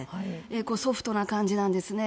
ソフトな感じなんですね。